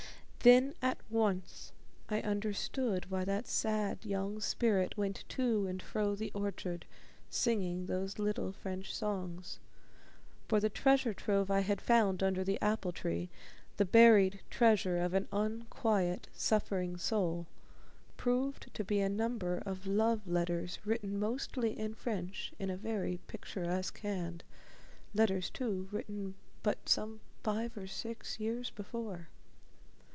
Then at once I understood why that sad young spirit went to and fro the orchard singing those little French songs for the treasure trove I had found under the apple tree, the buried treasure of an unquiet, suffering soul, proved to be a number of love letters written mostly in French in a very picturesque hand letters, too, written but some five or six years before.